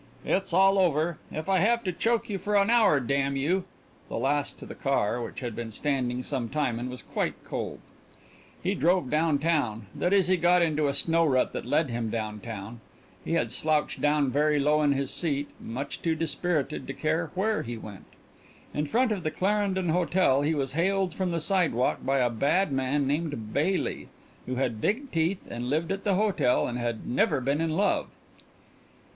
"It's all over if I have to choke you for an hour, damn you!" The last to the car, which had been standing some time and was quite cold. He drove downtown that is, he got into a snow rut that led him downtown. He sat slouched down very low in his seat, much too dispirited to care where he went. In front of the Clarendon Hotel he was hailed from the sidewalk by a bad man named Baily, who had big teeth and lived at the hotel and had never been in love.